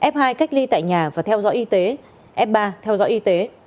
f hai cách ly tại nhà và theo dõi y tế f ba theo dõi y tế